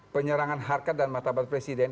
penyerangan harkat dan martabat presiden